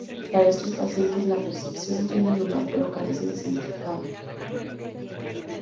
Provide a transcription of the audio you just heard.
Para estos pacientes, la percepción tiene lugar, pero carece de significado.